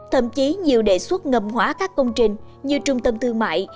thậm chí nhiều đề xuất ngầm hóa các công trình như trung tâm thương mại